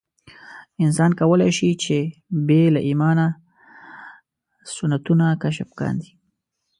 انسان کولای شي چې بې له ایمانه سنتونه کشف کاندي.